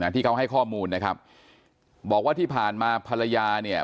ที่เขาให้ข้อมูลนะครับบอกว่าที่ผ่านมาภรรยาเนี่ย